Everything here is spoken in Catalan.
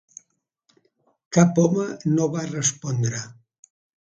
Cap home no va respondre.